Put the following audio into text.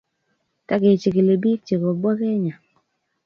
Takechikili pik che kobwa Kenya